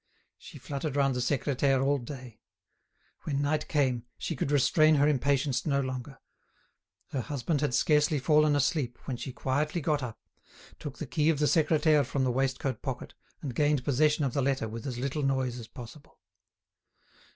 She fluttered round the secretaire all day. When night came, she could restrain her impatience no longer. Her husband had scarcely fallen asleep, when she quietly got up, took the key of the secretaire from the waistcoat pocket, and gained possession of the letter with as little noise as possible.